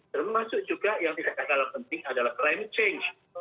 termasuk juga yang tidak kalah penting adalah climate change